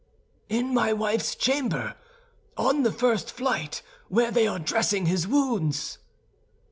"In my wife's chamber, on the first flight, where they are dressing his wounds."